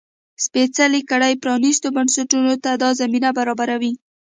سپېڅلې کړۍ پرانيستو بنسټونو ته دا زمینه برابروي.